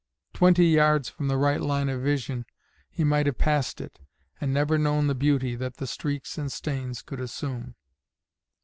Twenty yards from the right line of vision, he might have passed it, and never known the beauty that the streaks and stains could assume.